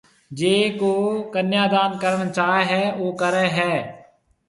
جيَ ڪو ڪنيا دان ڪرڻ چاھيََََ ھيََََ او ڪرَي ھيََََ